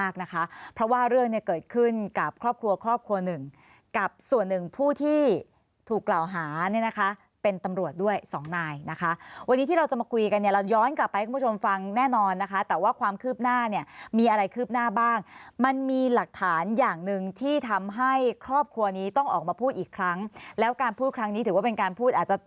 นะคะเพราะว่าเรื่องเนี่ยเกิดขึ้นกับครอบครัวครอบครัวหนึ่งกับส่วนหนึ่งผู้ที่ถูกกล่าวหาเนี่ยนะคะเป็นตำรวจด้วยสองนายนะคะวันนี้ที่เราจะมาคุยกันเนี่ยเราย้อนกลับไปให้คุณผู้ชมฟังแน่นอนนะคะแต่ว่าความคืบหน้าเนี่ยมีอะไรคืบหน้าบ้างมันมีหลักฐานอย่างหนึ่งที่ทำให้ครอบครัวนี้ต้องออกมาพูดอีกครั้งแล้วการพูดครั้งนี้ถือว่าเป็นการพูดอาจจะ